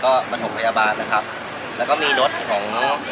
ก็ประถมพยาบาลนะครับแล้วก็มีรถของ